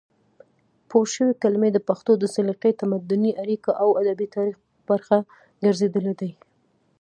پورشوي کلمې د پښتو د سلیقې، تمدني اړیکو او ادبي تاریخ برخه ګرځېدلې دي،